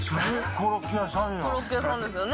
コロッケ屋さんですよね。